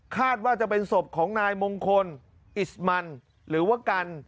ว่าจะเป็นศพของนายมงคลอิสมันหรือว่ากัน